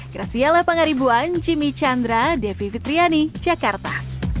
kerasialah pengaribuan jimmy chandra devi fitriani jakarta